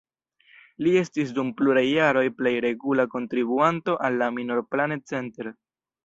Li estis dum pluraj jaroj plej regula kontribuanto al la Minor Planet Center.